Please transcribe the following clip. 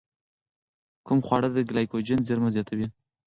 کوم خواړه د ګلایکوجن زېرمه زیاتوي؟